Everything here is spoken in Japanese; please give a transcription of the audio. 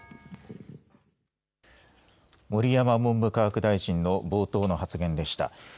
盛山文部科学大臣の冒頭の会見でした。